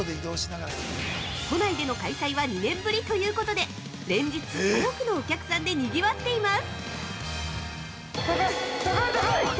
都内での開催は２年ぶりということで連日多くのお客さんで賑わっています